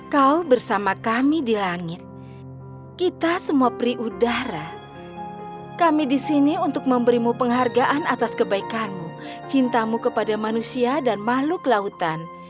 kau bersama kami di langit kita semua peri udara kami di sini untuk memberimu penghargaan atas kebaikanmu cintamu kepada manusia dan makhluk lautan